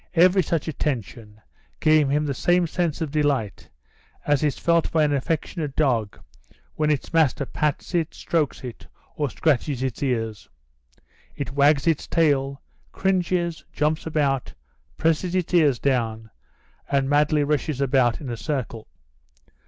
Every such attention gave him the same sense of delight as is felt by an affectionate dog when its master pats it, strokes it, or scratches its ears. It wags its tail, cringes, jumps about, presses its ears down, and madly rushes about in a circle.